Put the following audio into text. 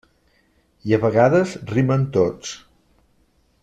I a vegades rimen tots.